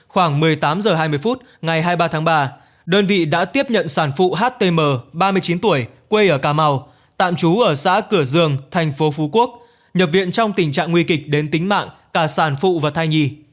khoảng một mươi tám h hai mươi phút ngày hai mươi ba tháng ba đơn vị đã tiếp nhận sản phụ htm ba mươi chín tuổi quê ở cà mau tạm trú ở xã cửa dương thành phố phú quốc nhập viện trong tình trạng nguy kịch đến tính mạng cả sản phụ và thai nhi